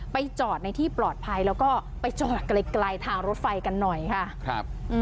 จอดในที่ปลอดภัยแล้วก็ไปจอดไกลทางรถไฟกันหน่อยค่ะครับ